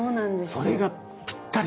それがぴったり。